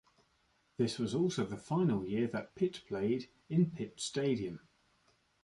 This was also the final year that Pitt played in Pitt Stadium.